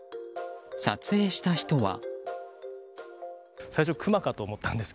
撮影した人は。